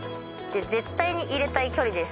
絶対に入れたい距離です。